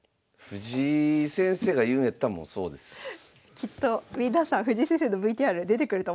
きっと皆さん藤井先生のＶＴＲ出てくると思わなかったでしょう。